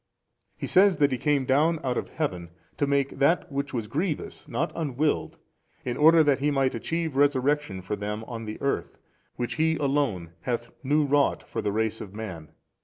He says that He came down out of Heaven, to make that which was grievous, not unwilled, in order that He might achieve resurrection for then on the earth, which He Alone hath new wrought for the race of man.